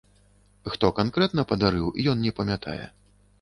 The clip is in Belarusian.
Хто канкрэтна падарыў, ён не памятае.